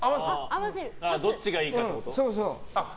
どっちがいいかってこと？